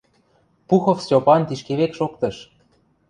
Пухов Стьопан тишкевек шоктыш.